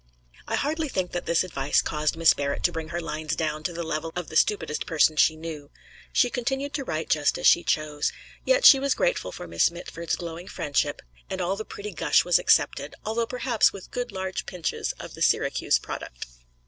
I hardly think that this advice caused Miss Barrett to bring her lines down to the level of the stupidest person she knew. She continued to write just as she chose. Yet she was grateful for Miss Mitford's glowing friendship, and all the pretty gush was accepted, although perhaps with good large pinches of the Syracuse product.